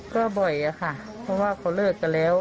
ก็บ่อยอะค่ะเพราะว่าเขาเลิกกันแล้ว